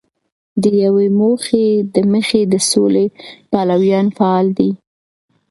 د یوې موخی د مخې د سولې پلویان فعال دي.